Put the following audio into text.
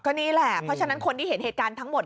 นี่แหละเพราะฉะนั้นคนที่เห็นเหตุการณ์ทั้งหมด